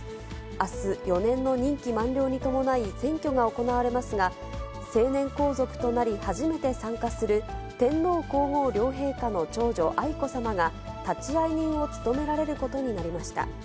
あす、４年の任期満了に伴い、選挙が行われますが、成年皇族となり初めて参加する、天皇皇后両陛下の長女、愛子さまが立会人を務められることになりました。